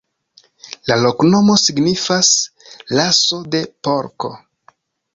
La loknomo signifas: raso de porko.